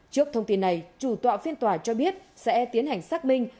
trước thông tin này chủ tọa phiên tòa cho biết sẽ tiến hành xác minh